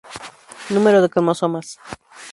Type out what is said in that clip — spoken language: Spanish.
Número de cromosomas.